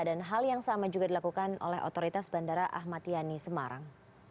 dan hal yang sama juga dilakukan oleh otoritas bandara ahmad yani semarang